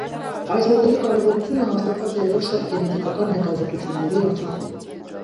Այս մոդելի կարևորությունը հաստատված է եղել շատ գենետիկական հետազոտությունների արդյունքում։